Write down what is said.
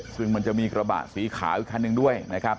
ซึ่งมันจะมีกระบะสีขาวอีกคันหนึ่งด้วยนะครับ